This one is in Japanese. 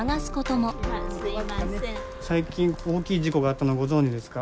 最近大きい事故があったのご存じですか？